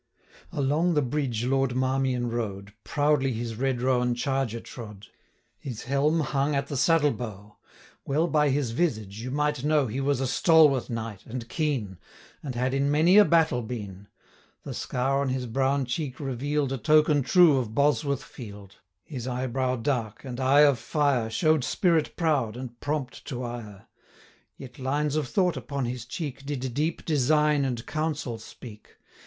Along the bridge Lord Marmion rode, Proudly his red roan charger trode, His helm hung at the saddlebow; 60 Well by his visage you might know He was a stalworth knight, and keen, And had in many a battle been; The scar on his brown cheek reveal'd A token true of Bosworth field; 65 His eyebrow dark, and eye of fire, Show'd spirit proud, and prompt to ire; Yet lines of thought upon his cheek Did deep design and counsel speak.